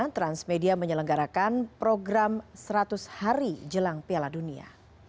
transmedia menyelenggarakan program seratus hari jelang piala dunia